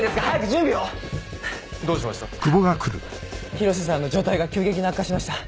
広瀬さんの状態が急激に悪化しました。